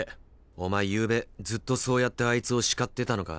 お前ゆうべずっとそうやってあいつを叱ってたのか？